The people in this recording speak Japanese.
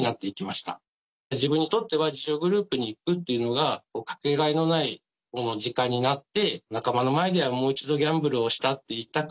自分にとっては自助グループに行くっていうのがかけがえのない時間になって仲間の前ではもう一度ギャンブルをしたって言いたくない。